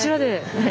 はい。